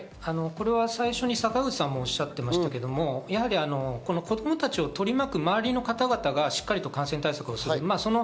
最初に坂口さんもおっしゃってましたけど、やはり子供たちを取り巻く周りの方々がしっかり感染対策をする。